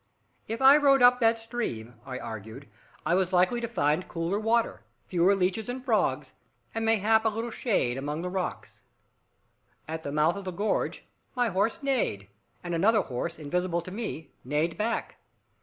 If I rode up that stream, I argued, I was likely to find cooler water, fewer leeches and frogs, and mayhap a little shade among the rocks. At the mouth of the gorge, my horse neighed, and another horse, invisible to me, neighed back.